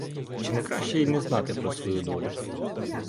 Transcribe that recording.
Чи не краще й не знати про свою долю?